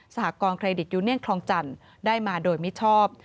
หกรณเครดิตยูเนียนคลองจันทร์ได้มาโดยมิชอบ